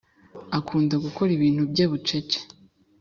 Akunda gukora ibintu bye bucece